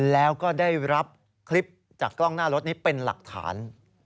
แล้วก็ได้รับคลิปจากกล้องหน้ารถนี้เป็นหลักฐาน